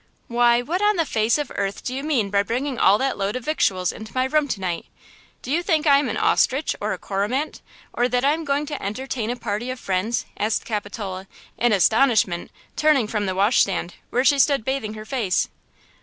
"Why, what on the face of earth do you mean by bringing all that load of victuals into my room to night? Do you think I am an ostrich or a cormorant, or that I am going to entertain a party of friends?" asked Capitola, in astonishment, turning from the wash stand, where she stood bathing her face.